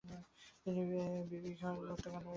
তিনি বিবিঘর হত্যাকাণ্ড এড়িয়ে গেছেন।